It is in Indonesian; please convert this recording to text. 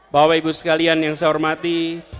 bapak ibu sekalian yang saya hormati